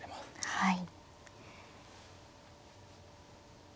はい。